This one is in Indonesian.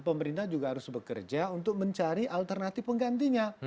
pemerintah juga harus bekerja untuk mencari alternatif penggantinya